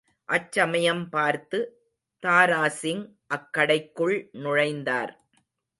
அச்சமயம் பார்த்து தாராசிங் அக்கடைக்குள் நுழைந்தார்.